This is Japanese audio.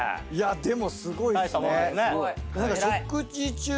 でもすごいっすね。